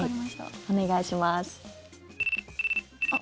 お願いします。